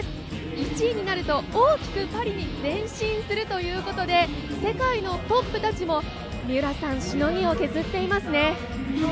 １位になると、大きくパリに前進するということで世界のトップたちも三浦さん、しのぎを削っていますね。